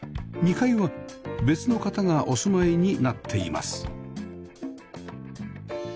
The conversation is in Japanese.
２階は別の方がお住まいになっています